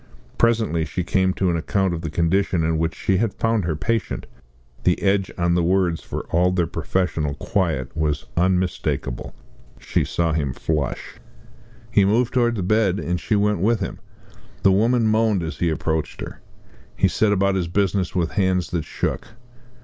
Presently she came to an account of the condition in which she had found her patient. The edge on the words, for all their professional quiet, was unmistakable. She saw him flush. He moved towards the bed, and she went with him. The woman moaned as he approached her. He set about his business with hands that shook.